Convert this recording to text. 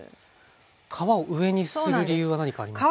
皮を上にする理由は何かありますか？